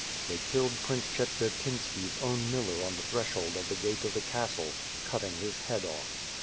They killed Prince Chetvertinski's own miller on the threshold of the gate of the castle, cutting his head off.